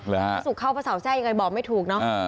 ถ้าทิกเข้าภาษาอาจารย์ทำยังไงบอกไม่ถูกเนาะ